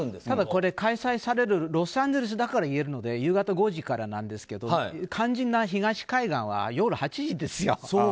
ただ開催されるのはロサンゼルスだから言えるので夕方５時からなんですけど肝心な東海岸は夜８時ですよ。